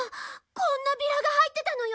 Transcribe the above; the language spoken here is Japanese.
こんなビラが入ってたのよ。